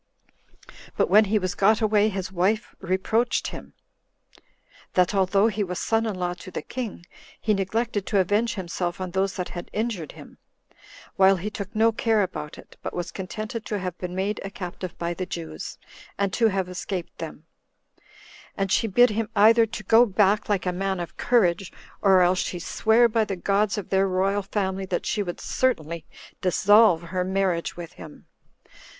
But when he was got away, his wife reproached him, that although he was son in law to the king, he neglected to avenge himself on those that had injured him, while he took no care about it, but was contented to have been made a captive by the Jews, and to have escaped them; and she bid him either to go back like a man of courage, or else she sware by the gods of their royal family that she would certainly dissolve her marriage with him.